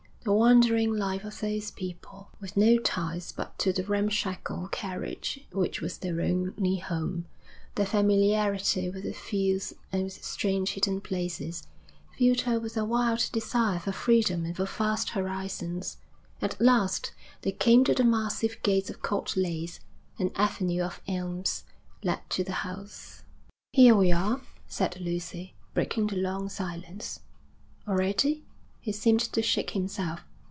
The wandering life of those people, with no ties but to the ramshackle carriage which was their only home, their familiarity with the fields and with strange hidden places, filled her with a wild desire for freedom and for vast horizons. At last they came to the massive gates of Court Leys. An avenue of elms led to the house. 'Here we are,' said Lucy, breaking the long silence. 'Already?' He seemed to shake himself.